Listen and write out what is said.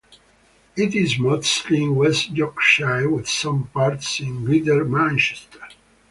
It is mostly in West Yorkshire with some parts in Greater Manchester.